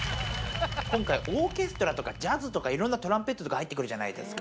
今回、オーケストラとかジャズとか、いろんなトランペットとか入ってくるじゃないですか。